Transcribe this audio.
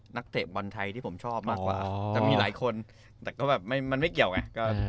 เตะบอลไทยที่ผมชอบมากกว่าแต่มีหลายคนแต่ก็แบบมันไม่เกี่ยวไง